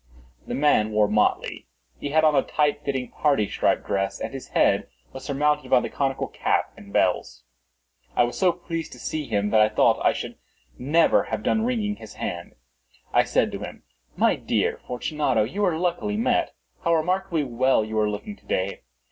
The man wore motley. He had on a tight fitting parti striped dress, and his head was surmounted by the conical cap and bells. I was so pleased to see him, that I thought I should never have done wringing his hand. I said to him: "My dear Fortunato, you are luckily met. How remarkably well you are looking to day!